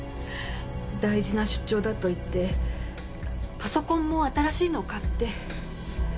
大事な出張だと言ってパソコンも新しいのを買って。